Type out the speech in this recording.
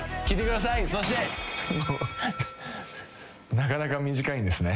なかなか短いんですね。